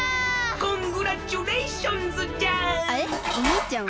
コングラッチュレーションズじゃあ！